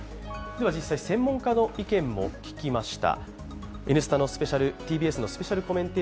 実際、専門家の意見も聞きました。